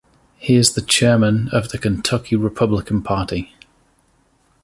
He is a chairman of the Kentucky Republican Party.